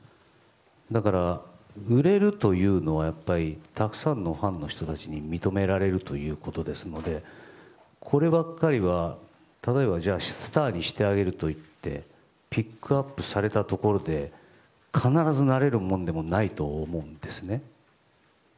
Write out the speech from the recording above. だから、売れるというのはたくさんのファンの人たちに認められるということですのでこればっかりは、例えばスターにしてあげるといってピックアップされたところで必ずなれるものでもないと思うんですね。